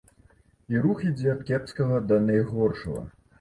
І рух ідзе ад кепскага да найгоршага.